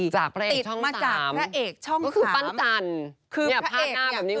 จากพระเอกช่องถามคือปั้นจัน